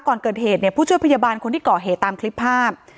ก่อนเกิดเหตุเนี่ยผู้ช่วยพยาบาลคนที่ก่อเหตุตามคลิปภาพ